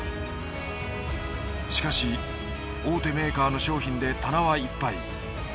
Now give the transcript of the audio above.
しかし大手メーカーの商品で棚はいっぱい。